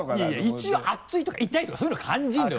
一応「熱い」とか「痛い」とかそういうの感じるのよ。